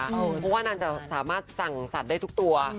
เพราะว่านางจะสามารถสั่งสัตว์ได้ทุกตัว